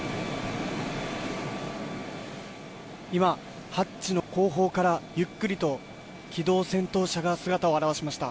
今、ハッチの後方からゆっくりと機動戦闘車が姿を現しました。